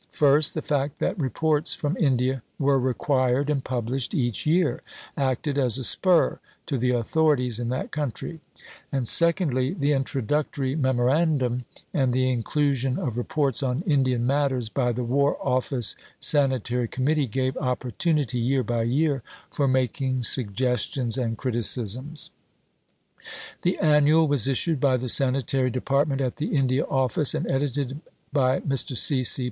First, the fact that reports from India were required and published each year acted as a spur to the authorities in that country; and, secondly, the introductory memorandum, and the inclusion of reports on Indian matters by the War Office Sanitary Committee, gave opportunity, year by year, for making suggestions and criticisms. The Annual was issued by the Sanitary Department at the India Office and edited by Mr. C. C.